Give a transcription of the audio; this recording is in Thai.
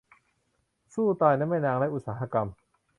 สู้ตายนะแม่นางและอุตสาหกรรม